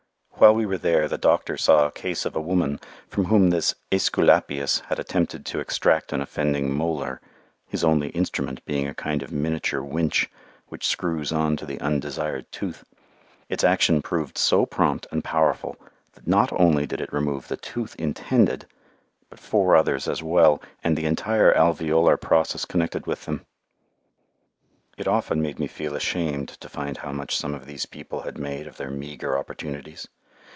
While we were there the doctor saw a case of a woman from whom this Æsculapius had attempted to extract an offending molar, his only instrument being a kind of miniature winch which screws on to the undesired tooth. Its action proved so prompt and powerful that not only did it remove the tooth intended, but four others as well, and the entire alveolar process connected with them. [Illustration: ITS ACTION WAS PROMPT AND POWERFUL] It often made me feel ashamed to find how much some of these people have made of their meagre opportunities.